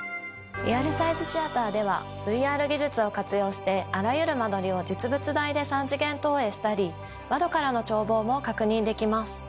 リアルサイズシアターではＶＲ技術を活用してあらゆる間取りを実物大で三次元投影したり窓からの眺望も確認できます。